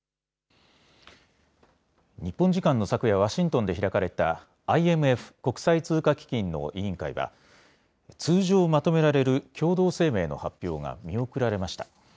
日本時間の昨夜、ワシントンで開かれたＩＭＦ・国際通貨基金の委員会は通常、まとめられる共同声明の発表が見送られました。